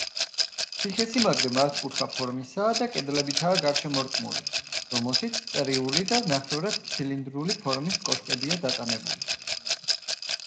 ციხესიმაგრე მართკუთხა ფორმისაა და კედლებითაა გარშემორტყმული, რომელშიც წრიული და ნახევრად ცილინდრული ფორმის კოშკებია დატანებული.